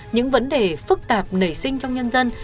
những vấn đề phức tạp nảy sinh trong nhân dân